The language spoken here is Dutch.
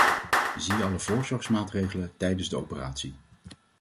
Zie alle voorzorgsmaatregelen tijdens de operatie.